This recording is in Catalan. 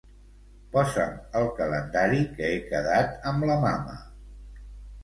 Posa'm al calendari que he quedat amb la mama.